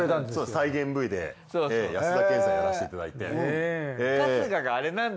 再現Ｖで安田顕さんやらせていただいて。